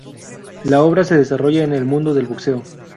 La obra se desarrolla en el mundo del boxeo.